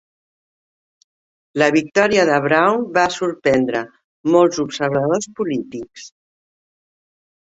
La victòria de Broun va sorprendre molts observadors polítics.